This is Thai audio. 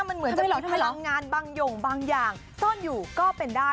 มันเหมือนจะมีพลังงานบางอย่างบางอย่างซ่อนอยู่ก็เป็นได้